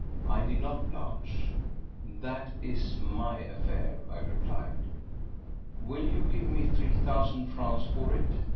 I did not blanch. "That is my affair," I replied. "Will you give me three thousand francs for it?